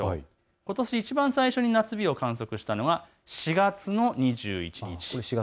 ことしいちばん最初に夏日を観測したのが４月の２１日。